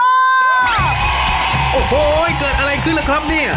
โอ้โหเกิดอะไรขึ้นล่ะครับเนี่ย